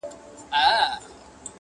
یو که بل وي نو څلور یې پښتانه وي,